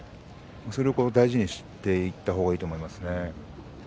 それを大事にしていた方がいいと思いますね。